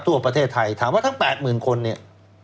ทั่วประเทศไทยถามว่าทั้งแปดหมื่นคนเนี่ย